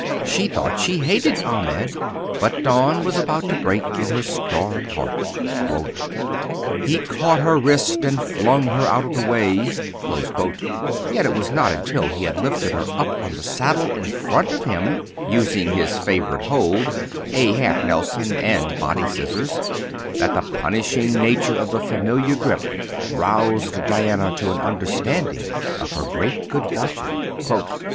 She thought she hated Ahmed, but dawn was about to break in her starved heart. "He caught her wrist and flung her out of the way," yet it was not until he had lifted her up on the saddle in front of him, using his favorite hold a half nelson and body scissors that the punishing nature of the familiar grip roused Diana to an understanding of her great good fortune.